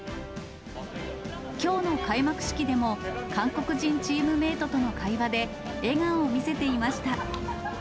きょうの開幕式でも、韓国人チームメートとの会話で笑顔を見せていました。